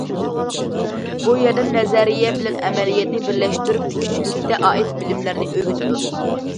بۇ يەردە نەزەرىيە بىلەن ئەمەلىيەتنى بىرلەشتۈرۈپ، تىككۈچىلىككە ئائىت بىلىملەرنى ئۆگىتىدۇ.